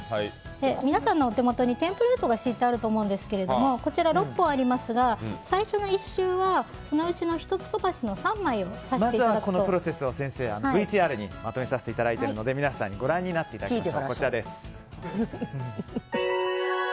皆さんのお手元にテンプレートが敷いてあると思うんですけれどもこちら、６本ありますが最初の１周はそのうちの１つ飛ばしの３枚をまずはこのプロセスをＶＴＲにまとめてありますのでご覧になっていただきましょう。